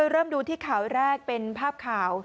เริ่มดูที่ข่าวแรกเป็นภาพข่าว